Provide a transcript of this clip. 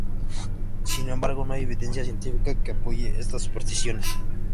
Sin embargo, no hay evidencia científica que apoye estas supersticiones.